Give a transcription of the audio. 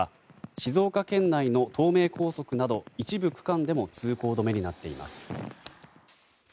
静岡県内の東名高速など一部区間も通行止めになっています。